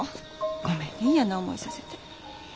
ごめんね嫌な思いさせて。